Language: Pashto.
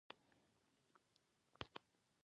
نایتروجن په کلوروفیل او پروټینونو کې شامل دی.